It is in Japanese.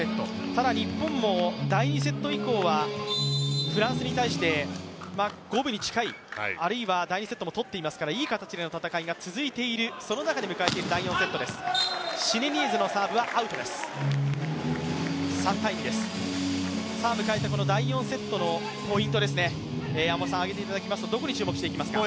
ただ、日本も第２セット以降はフランスに対して五分に近いあるいは第２セットも取っていますからいい形での戦いが続いているその中で迎えている第４セットです迎えた第４セットのポイント山本さんどこに注目していきますか。